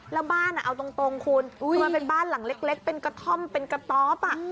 แล้วบ้านเอาตรงคุณคือมันเป็นบ้านหลังเล็กเป็นกระท่อมเป็นกระต๊อบ